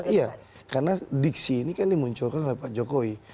iya karena diksi ini kan dimunculkan oleh pak jokowi